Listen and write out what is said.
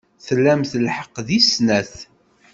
Tlamt lḥeqq deg snat.